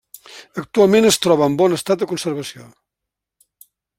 Actualment es troba en bon estat de conservació.